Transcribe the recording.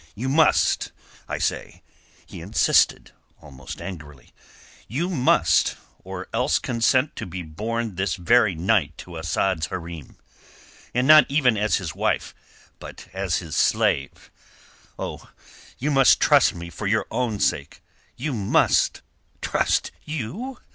"You must, I say," he insisted, almost angrily. "You must—or else consent to be borne this very night to Asad's hareem—and not even as his wife, but as his slave. Oh, you must trust me for your own sake! You must!" "Trust you!"